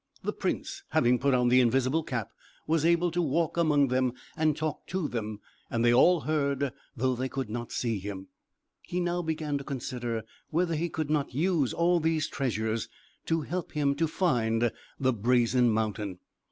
The prince, having put on the invisible cap, was able to walk among them, and talk to them; and they all heard, though they could not see him. He now began to consider whether he could not use all these treasures to help him to find the Brazen Mountain.